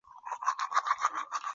越狱者为陈聪聪和孙星辰。